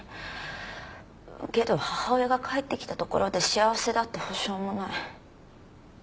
けど母親が帰ってきたところで幸せだって保証もない。